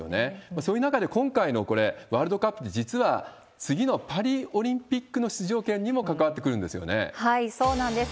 そういう中で今回のこれ、ワールドカップって、実は次のパリオリンピックの出場権にも関わってくそうなんです。